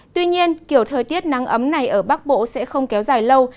tuy nhiên kiểu thời tiết nắng ấm này ở bắc bộ sẽ không kéo dài lâu